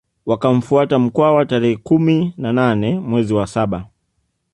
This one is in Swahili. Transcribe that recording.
Wakamfuata Mkwawa tarehe kumi na nane mwezi wa saba